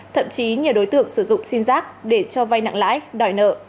thậm chí nhiều đối tượng sử dụng sim giác để cho vay nặng lãi đòi nợ